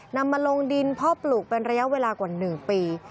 นำมาลงดินพ่อปลูกเป็นระยะเวลากว่า๑ปี